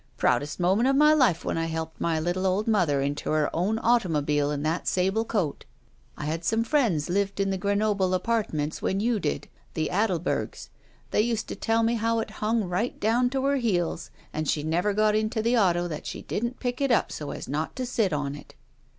Proud est moment of my life when I helped my little old mother into her own automobile in that sable coat. *'I had some friends Uved in the Grenoble Apart ments when you did — ^the Adelbergs. They used to teU me how it hung right down to her heels and she never got into the auto that she didn't pick it up so as not to sit on it.